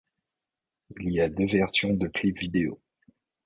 Il y a deux versions de clip vidéo.